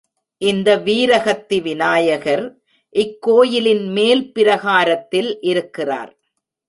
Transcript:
இந்த வீரஹத்தி விநாயகர் இக்கோயிலின் மேல் பிரகாரத்தில் இருக்கிறார்.